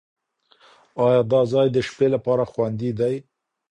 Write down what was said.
ایا دا ځای د شپې لپاره خوندي دی؟